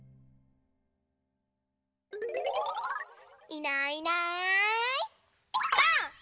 いないいないばあっ！